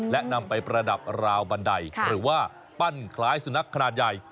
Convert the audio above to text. และนำไปประดับราวบันไดหรือว่าปั้นคล้ายสุนัขขนาดใหญ่